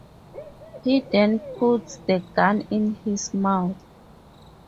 He then puts the gun in his mouth.